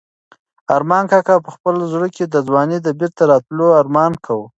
ارمان کاکا په خپل زړه کې د ځوانۍ د بېرته راتلو ارمان کاوه.